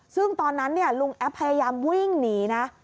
ซึ่งตอนนั้นลุงแอปพยายามวิ่งหนีนะ